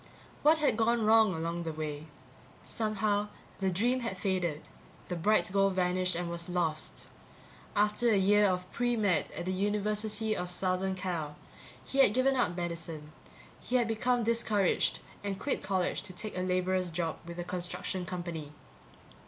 What had gone wrong along the way? Somehow, the dream had faded, the bright goal vanished and was lost. After a year of pre med at the University of Southern Cal, he had given up medicine; he had become discouraged and quit college to take a laborer's job with a construction company.